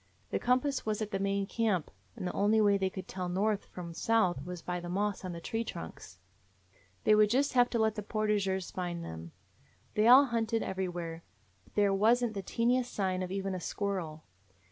The compass was at the main camp, and the only way they could tell north from south was by the moss on the tree trunks. They would just have to let the portageurs find them. They all hunted everywhere, but there was n't the teeniest sign of even a squirrel.